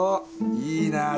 いいなぁ。